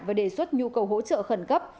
và đề xuất nhu cầu hỗ trợ khẩn cấp